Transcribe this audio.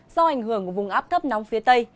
do ảnh hưởng của vùng áp thấp nóng phía tây